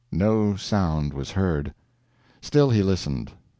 No sound was heard. Still he listened.